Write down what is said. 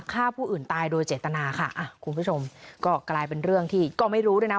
ฆ่าผู้อื่นตายโดยเจตนาค่ะอ่ะคุณผู้ชมก็กลายเป็นเรื่องที่ก็ไม่รู้ด้วยนะ